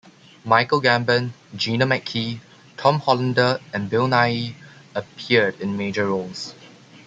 Michael Gambon, Gina McKee, Tom Hollander and Bill Nighy appeared in major roles.